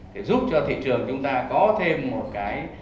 để giúp cho thị trường chúng ta có thêm một cái